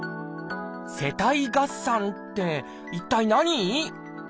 「世帯合算」って一体何？